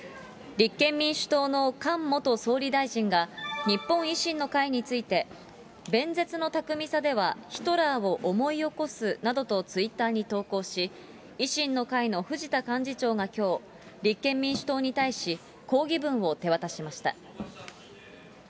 立憲民主党の菅元総理大臣が、日本維新の会について、弁舌の巧みさではヒトラーを思い起こすなどとツイッターに投稿し、維新の会の藤田幹事長がきょう、立憲民主党に対し、抗議文を手渡しました。